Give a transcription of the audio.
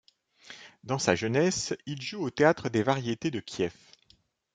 Dans sa jeunesse, il joue au théâtre des Variétés de Kiev.